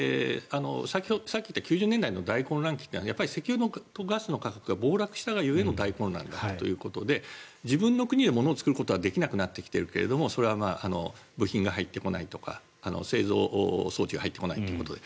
さっき言った９０年代の大混乱期は石油とガスの価格が大暴落した中での大混乱だということで自分の国で物を作ることはできなくなってきてるけどそれは部品が入ってこないとか製造装置が入ってこないということで。